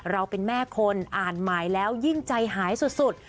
เราเป็นแม่คนอ่านหมายแล้วยิ่งใจหายสุด